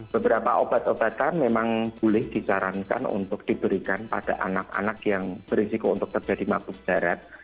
beberapa obat obatan memang boleh disarankan untuk diberikan pada anak anak yang berisiko untuk terjadi mabuk darat